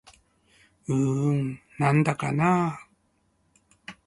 うーん、なんだかなぁ